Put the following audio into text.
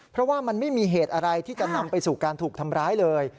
เพราะว่ามันไม่มีเหตุอะไรที่จะนำไปสู่การถูกทำร้ายเลย